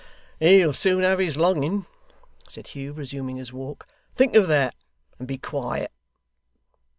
'He'll soon have his longing,' said Hugh, resuming his walk. 'Think of that, and be quiet.